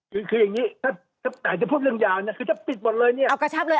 คืออย่างนี้ถ้าใครจะพูดเรื่องยาวคือจะปิดหมดเลยเนี่ย